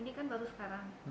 ini kan baru sekarang